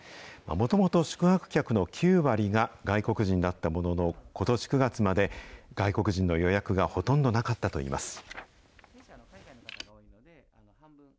もともと宿泊客の９割が外国人だったものの、ことし９月まで外国人の予約がほとんどなかったといいます。